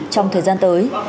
trong thời gian tới